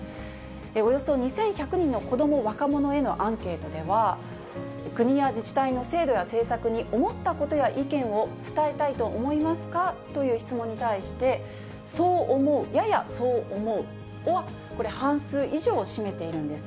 およそ２１００人の子ども・若者へのアンケートでは、国や自治体の制度や政策に思ったことや意見を伝えたいと思いますかという質問に対して、そう思う、ややそう思うは、半数以上を占めているんです。